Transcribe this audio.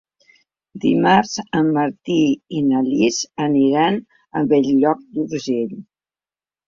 Dimarts en Martí i na Lis aniran a Bell-lloc d'Urgell.